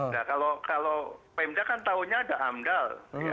nah kalau pemda kan tahunya ada amdal